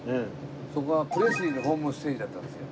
そこがプレスリーのホームシティーだったんですよ。